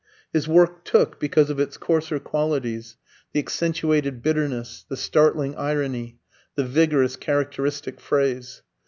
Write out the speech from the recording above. His work "took" because of its coarser qualities, the accentuated bitterness, the startling irony, the vigorous, characteristic phrase.